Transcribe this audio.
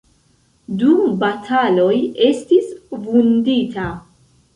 Dum bataloj estis vundita.